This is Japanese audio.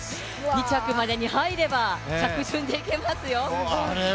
２着までに入れば着順でいけますよ。